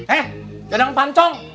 eh jadang pancong